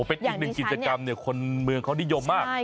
เป็นอีกหนึ่งกิจกรรมคนเมืองเขานิยมมาก